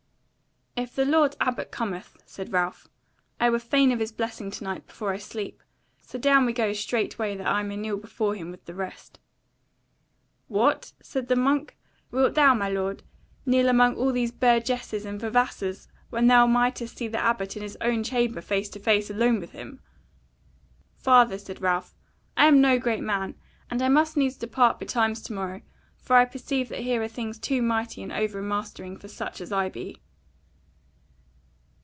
"If the lord Abbot cometh," said Ralph, "I were fain of his blessing to night before I sleep: so go we down straightway that I may kneel before him with the rest." "What!" said the monk, "Wilt thou, my lord, kneel amongst all these burgesses and vavassors when thou mightest see the Abbot in his own chamber face to face alone with him?" "Father," said Ralph, "I am no great man, and I must needs depart betimes to morrow; for I perceive that here are things too mighty and over mastering for such as I be."